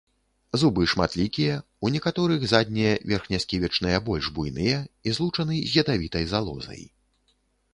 Зубы шматлікія, у некаторых заднія верхнясківічныя больш буйныя і злучаны з ядавітай залозай.